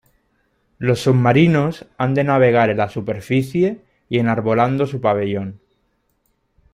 Los submarinos han de navegar en la superficie y enarbolando su pabellón.